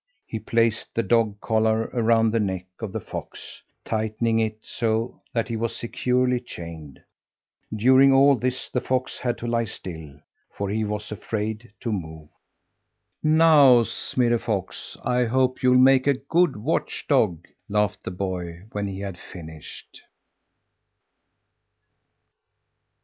He placed the dog collar around the neck of the fox, tightening it so that he was securely chained. During all this the fox had to lie still, for he was afraid to move. "Now, Smirre Fox, I hope you'll make a good watch dog," laughed the boy when he had finished.